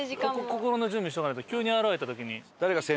心の準備しとかないと急に現れた時に。